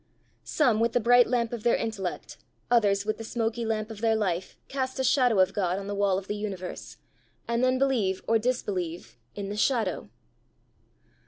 Some with the bright lamp of their intellect, others with the smoky lamp of their life, cast a shadow of God on the wall of the universe, and then believe or disbelieve in the shadow.